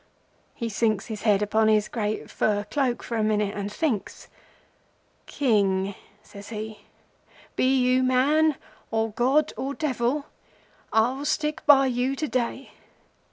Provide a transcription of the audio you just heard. He sinks his head upon his great fur cloak for a minute and thinks. 'King,' says he, 'be you man or god or devil, I'll stick by you to day.